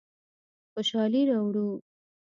خوشحالي راوړو.